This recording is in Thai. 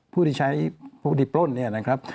ผู้ที่ใช้พวกที่ปล้นเนี่ยนะครับ